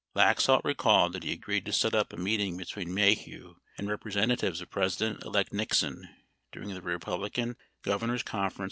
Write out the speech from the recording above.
61 Laxalt recalled that he agreed to set up a meeting between Maheu and representatives of President elect Nixon during the Republican 62 Rebozo interview, Oct.